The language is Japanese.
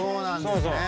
そうそう。